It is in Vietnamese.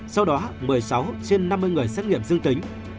sau đó một mươi sáu trên năm mươi người xét nghiệm dương tính